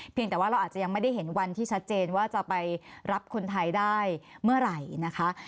แต่ว่าเราอาจจะยังไม่ได้เห็นวันที่ชัดเจนว่าจะไปรับคนไทยได้เมื่อไหร่นะคะ